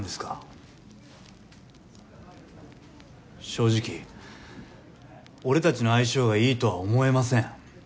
正直俺たちの相性がいいとは思えません。